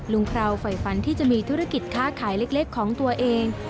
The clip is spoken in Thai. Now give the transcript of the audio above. คราวฝ่ายฝันที่จะมีธุรกิจค้าขายเล็กของตัวเอง